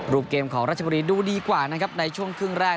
เกมของราชบุรีดูดีกว่านะครับในช่วงครึ่งแรก